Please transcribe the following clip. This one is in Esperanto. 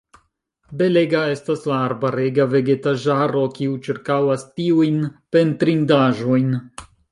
Belega estas la arbarega vegetaĵaro, kiu ĉirkaŭas tiujn pentrindaĵojn.